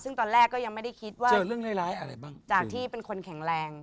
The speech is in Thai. ซึ่งตอนแรกก็ยังไม่ได้คิดว่าจากที่เป็นคนแข็งแรง